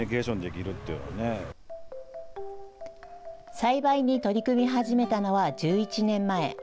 栽培に取り組み始めたのは１１年前。